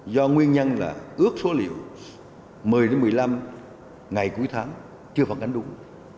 do nguyên nhân là ước số liệu một mươi một mươi năm ngày cuối tháng chưa phản ánh đúng